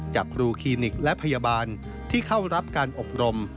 จากครูคลินิกและพยาบาลที่เข้ารับการอบรม